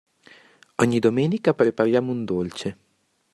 Ogni domenica prepariamo un dolce.